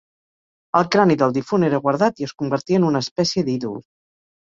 El crani del difunt era guardat i es convertia en una espècie d'ídol.